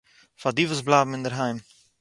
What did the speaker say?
פאַר די וואָס בלייבן אינדערהיים